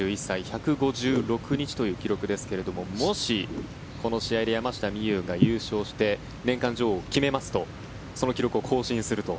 ２１歳１５６日という記録ですがもし、この試合で山下美夢有が優勝して年間女王を決めますとその記録を更新すると。